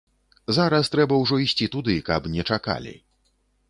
Зараз трэба ўжо ісці туды, каб не чакалі.